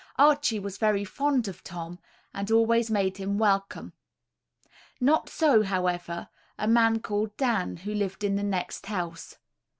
Archie was very fond of Tom, and always made him welcome. Not so, however, a man called Dan, who lived in the next house.